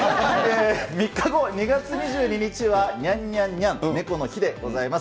３日後、２月２２日はにゃんにゃんにゃん、ネコの日でございます。